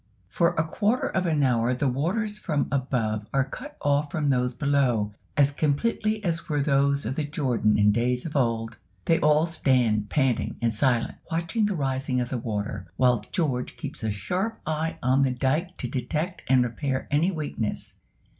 For a quarter of an hour the waters from above are cut off from those below, as completely as were those of the Jordan in days of old. They all stand panting and silent, watching the rising of the water, while George keeps a sharp eye on the dike to detect and repair any weakness.